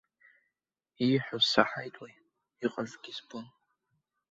Ииҳәоз саҳаит уи, иҟазгьы збон.